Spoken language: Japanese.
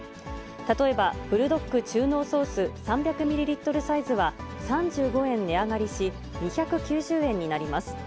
例えば、ブルドック中濃ソース３００ミリリットルサイズは３５円値上がりし、２９０円になります。